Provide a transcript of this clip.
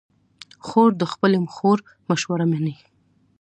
خور د خپلې خور مشوره منې.